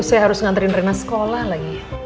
saya harus nganterin renang sekolah lagi